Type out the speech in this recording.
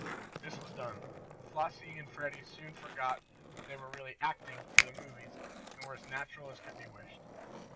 This was done. Flossie and Freddie soon forgot that they were really "acting" for the movies, and were as natural as could be wished.